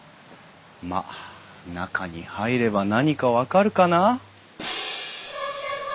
まあ中に入れば何か分かるかな。